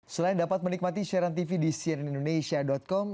selain dapat menikmati siaran tv di cnnindonesia com